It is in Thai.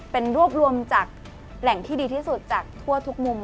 เป็นรวบรวมจากแหล่งที่ดีที่สุดจากทั่วทุกมุม